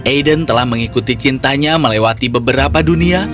aiden telah mengikuti cintanya melewati beberapa dunia